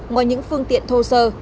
ngoài những phương tiện thô sơ